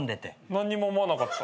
何にも思わなかった。